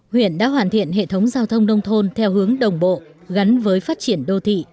huyện đã hoàn thiện hệ thống giao thông nông thôn theo hướng đồng bộ gắn với phát triển đô thị